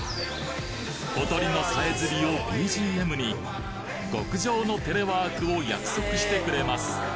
小鳥のさえずりをＢＧＭに極上のテレワークを約束してくれます